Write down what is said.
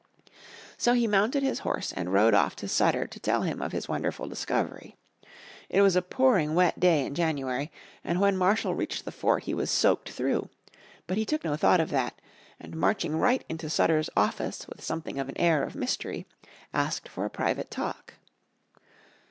So he mounted his horse and rode off to Sutter to tell him of his wonderful discovery. It was a pouring wet day in January, and when Marshall reached the fort he was soaked through. But he took no thought of that, and marching right into Sutter's office with something of an air of mystery asked for a private talk.